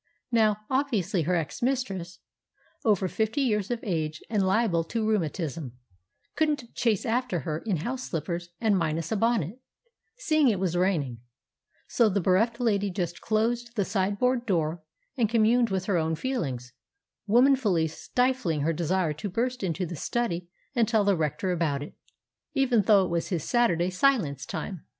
Now, obviously her ex mistress—over fifty years of age and liable to rheumatism—couldn't chase after her in house slippers and minus a bonnet, seeing it was raining; so the bereft lady just closed the sideboard door and communed with her own feelings, womanfully stifling her desire to burst into the study and tell the Rector about it, even though it was his Saturday silence time.